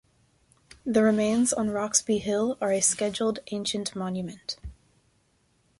The remains on Roxby Hill are a Scheduled Ancient Monument.